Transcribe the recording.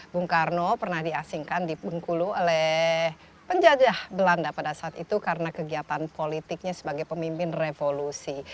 bung karno pernah diasingkan di bengkulu oleh penjajah belanda pada saat itu karena kegiatan politiknya sebagai pemimpin revolusi